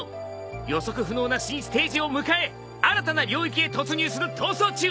予測不能な新ステージを迎え新たな領域へ突入する逃走中。